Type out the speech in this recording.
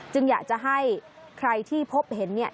อยากจะให้ใครที่พบเห็นเนี่ย